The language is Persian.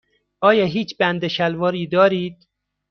آیا هیچ بند شلواری دارید؟